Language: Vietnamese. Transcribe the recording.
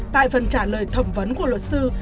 tại phần trả lời thẩm vấn của luật sư